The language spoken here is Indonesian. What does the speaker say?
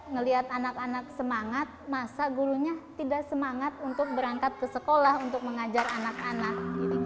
ngelihat anak anak semangat masa gurunya tidak semangat untuk berangkat ke sekolah untuk mengajar anak anak